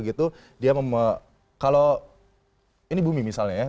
gitu dia kalau ini bumi misalnya ya